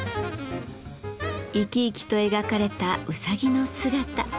生き生きと描かれたうさぎの姿。